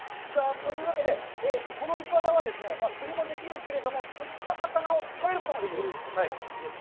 というわけで、このいかだは、釣りもできるけれども、釣った魚を食べることもできるんですね。です。